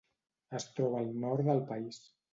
Es troba al nord del país.